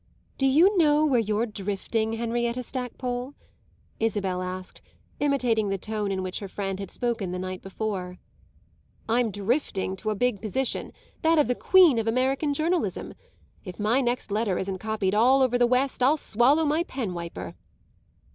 "Do you know where you're drifting, Henrietta Stackpole?" Isabel asked, imitating the tone in which her friend had spoken the night before. "I'm drifting to a big position that of the Queen of American Journalism. If my next letter isn't copied all over the West I'll swallow my penwiper!"